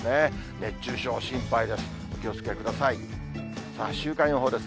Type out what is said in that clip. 熱中症、心配です。